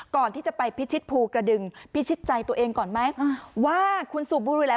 ก่อนที่จะไปพิชิตภูกระดึงพิชิตใจตัวเองก่อนไหมว่าคุณสูบบุรีแล้ว